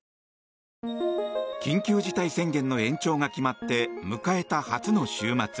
緊急事態宣言の延長が決まって迎えた初の週末。